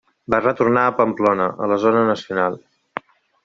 Va retornar a Pamplona, a la zona nacional.